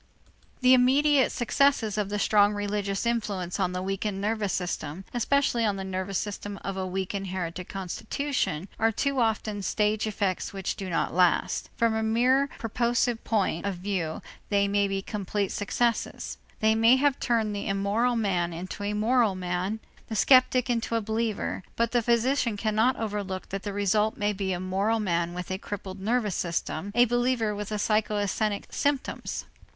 The immediate successes of the strong religious influence on the weakened nervous system, especially on the nervous system of a weak inherited constitution, are too often stage effects which do not last. From a mere purposive point of view, they may be complete successes. They may have turned the immoral man into a moral man, the skeptic into a believer, but the physician cannot overlook that the result may be a moral man with a crippled nervous system, a believer with psychasthenic symptoms.